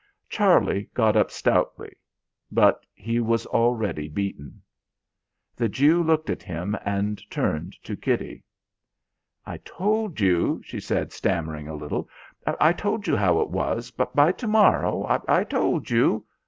Charlie got up stoutly; but he was already beaten. The Jew looked at him, and turned to Kitty. "I told you," she said, stammering a little, "I told you how it was. By to morrow ... I told you...."